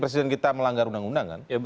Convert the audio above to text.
presiden kita melanggar undang undang kan